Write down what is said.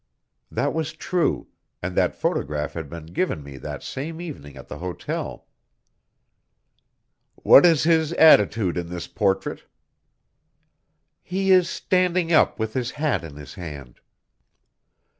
That was true, and that photograph had been given me that same evening at the hotel. "What is his attitude in this portrait?" "He is standing up with his hat in his hand."